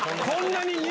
こんなに。